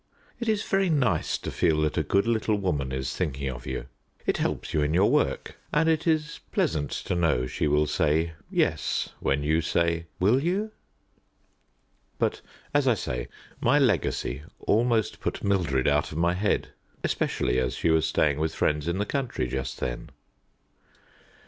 It is very nice to feel that a good little woman is thinking of you it helps you in your work and it is pleasant to know she will say "Yes" when you say "Will you?" But, as I say, my legacy almost put Mildred out of my head, especially as she was staying with friends in the country just then.